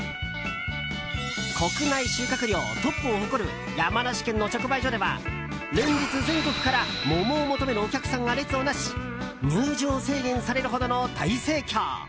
国内収穫量トップを誇る山梨県の直売所では連日、全国から桃を求めるお客さんが列をなし入場制限されるほどの大盛況。